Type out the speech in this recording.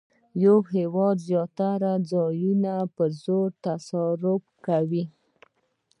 یو هېواد زیات ځایونه په زور تصرف کوي